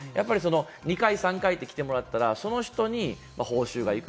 ２回、３回と来てもらったら、その人に報酬が行く。